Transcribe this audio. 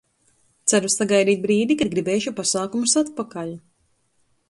Ceru sagaidīt brīdi, kad gribēšu pasākumus atpakaļ.